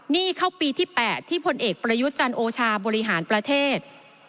นี่เข้าปีที่๘ที่พลเอกประยุทธ์จันโอชาบริหารประเทศ